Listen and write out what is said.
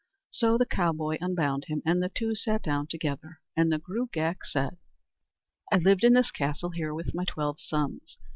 So the cowboy unbound him, the two sat down together, and the Gruagach said: "I lived in this castle here with my twelve sons.